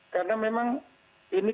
karena memang ini